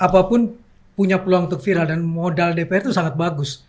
apapun punya peluang untuk viral dan modal dpr itu sangat bagus